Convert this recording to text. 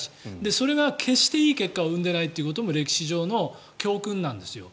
それが決していい結果を生んでいないということも歴史上の教訓なんですよ。